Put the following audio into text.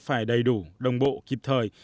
phải đầy đủ đồng bộ kịp thời